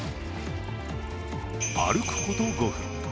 歩くこと５分。